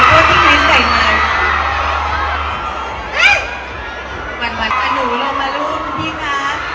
สุขอต่างหากพาหนูมาร่วมที่นี่ค่ะ